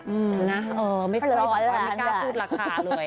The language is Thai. อืมนะไม่กล้าพูดราคาเลย